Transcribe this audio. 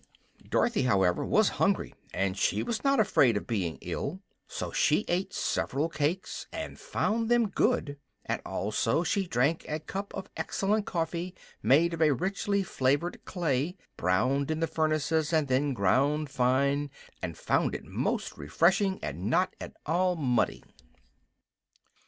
Dorothy, however, was hungry, and she was not afraid of being ill; so she ate several cakes and found them good, and also she drank a cup of excellent coffee made of a richly flavored clay, browned in the furnaces and then ground fine, and found it most refreshing and not at all muddy.